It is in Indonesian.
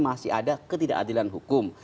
masih ada ketidakadilan hukum